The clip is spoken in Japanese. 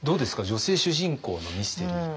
女性主人公のミステリー。